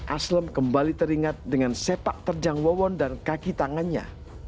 aslem kembali teringat dengan sepak terjang wawon dan kaki tangannya